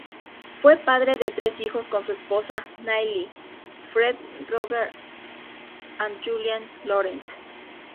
Fue padre de tres hijos con su esposa Nellie: Fred, Roger, and Julian Lorenz.